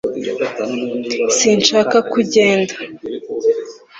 sinshaka ko ugenda